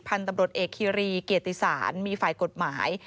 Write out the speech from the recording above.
พันธุ์ตำรวจเอกคีรีเกียรติศาลมีฝ่ายกฎหมาย